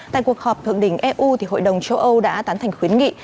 tại cuộc họp thượng đỉnh eu hội đồng châu âu đã tán thành khuyến nghị